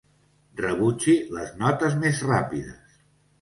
Rebutgi les notes més ràpides.